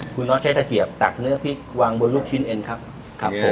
คุณน็อตใช้ตะเกียบตักเนื้อพริกวางบนลูกชิ้นเองครับครับผม